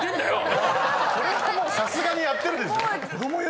これはもうさすがにやってるでしょ。